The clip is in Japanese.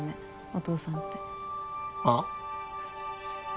お父さんってはあ？